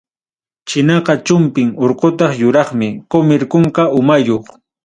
Chinaqa chumpim, urqutaq yuraqmi, qumir kunka umayuq.